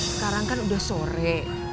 sekarang kan udah sore